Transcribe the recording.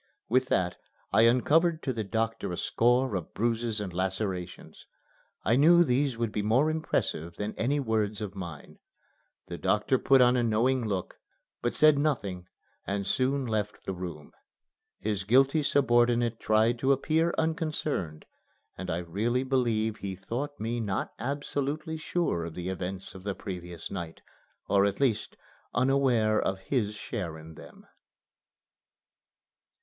With that I uncovered to the doctor a score of bruises and lacerations. I knew these would be more impressive than any words of mine. The doctor put on a knowing look, but said nothing and soon left the room. His guilty subordinate tried to appear unconcerned, and I really believe he thought me not absolutely sure of the events of the previous night, or at least unaware of his share in them.